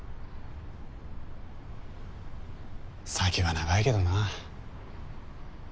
先は長いけどな。